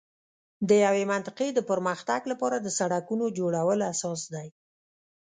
د یوې منطقې د پر مختګ لپاره د سړکونو جوړول اساس دی.